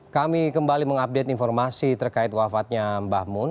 kami kembali mengupdate informasi terkait wafatnya mbah mun